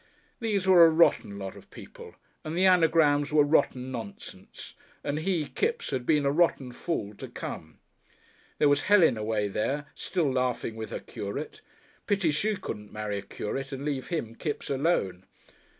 These were a rotten lot of people, and the anagrams were rotten nonsense, and he, Kipps, had been a rotten fool to come. There was Helen away there, still laughing, with her curate. Pity she couldn't marry a curate and leave him (Kipps) alone!